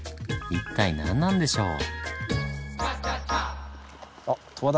一体何なんでしょう？